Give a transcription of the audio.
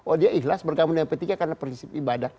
oh dia ikhlas bergabung dengan p tiga karena prinsip ibadah